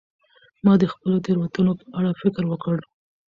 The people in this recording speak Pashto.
ما د خپلو تیروتنو په اړه فکر وکړ.